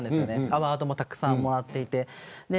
アワードもたくさん貰っていて。